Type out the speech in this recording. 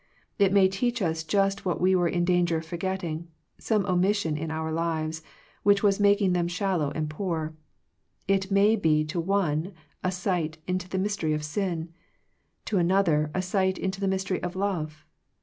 It may teach us just what we were in danger of for getting, some omission in our lives, which was making them shallow and poor. It may be to one a sight into the mystery of sin; to another a sight into the mystery of love.